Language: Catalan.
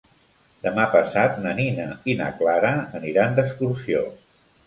Demà passat na Nina i na Clara aniran d'excursió.